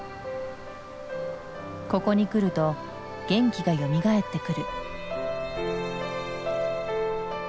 ここに来ると元気がよみがえってくる。